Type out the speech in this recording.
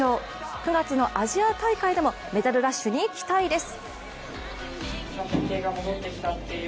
９月のアジア大会でもメダルラッシュに期待です。